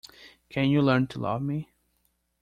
Can you learn to love me?